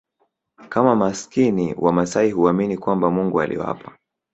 kama maskini Wamasai huamini kwamba Mungu aliwapa